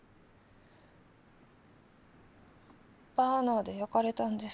バーナーで焼かれたんです。